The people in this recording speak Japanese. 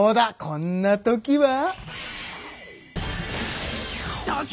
こんな時は！